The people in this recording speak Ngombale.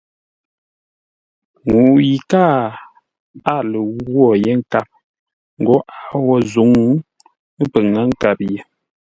Ŋuu yi káa a lə ghwô yé nkâp ghó a wǒ zǔŋ, pə ŋə́ nkâp ye.